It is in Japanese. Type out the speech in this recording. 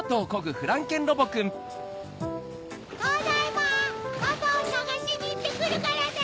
とうだいまんパパをさがしにいってくるからね！